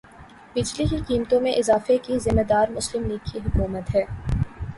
بجلی کی قیمتوں میں اضافے کی ذمہ دار مسلم لیگ کی حکومت ہے